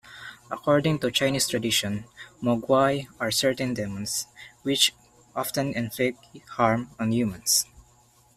According to Chinese tradition, mogwai are certain demons, which often inflict harm on humans.